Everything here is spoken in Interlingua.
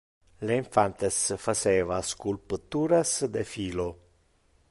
Le infantes faceva sculpturas de filo.